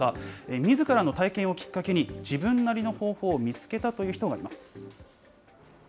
みずからの体験をきっかけに、自分なりの方法を見つけたという人がいます。